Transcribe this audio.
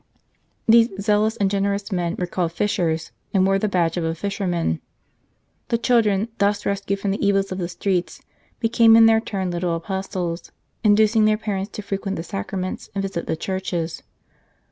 These zealous and generous men were called Fishers, and wore the badge of a fisherman. The children, thus rescued from the evils of the streets, became in their turn little apostles, inducing their parents to frequent the Sacraments and visit the churches.